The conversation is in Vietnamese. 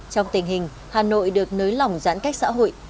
trong tình hình hà nội được nới lỏng giãn cách xã hội